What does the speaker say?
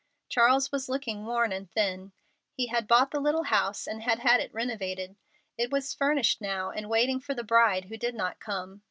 Charles was looking worn and thin. He had bought the little house, and had had it renovated. It was furnished now, and waiting for the bride who did not come.